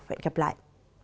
hẹn gặp lại